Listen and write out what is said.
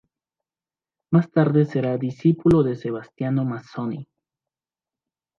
Más tarde será discípulo de Sebastiano Mazzoni.